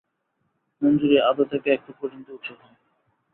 মঞ্জুরি আধা থেকে এক ফুট পর্যন্ত উঁচু হয়।